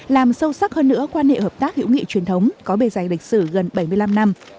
làm sâu sắc hơn nữa quan hệ hợp tác hữu nghị truyền thống có bề dày lịch sử gần bảy mươi năm năm